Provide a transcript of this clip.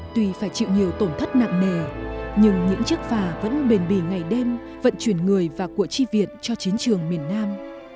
tuy phải chịu nhiều tổn thất nặng nề nhưng những chiếc phà vẫn bền bỉ ngày đêm vận chuyển người và của chi viện cho chiến trường miền nam